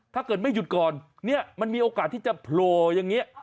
ถ้าเกิดไม่หยุดก่อนเนี่ยมันมีโอกาสที่จะโผล่อย่างนี้